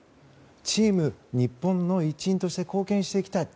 チーム日本の一員として貢献していきたい。